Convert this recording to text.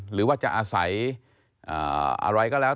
หรือว่าจะอาศัยอะไรก็แล้ว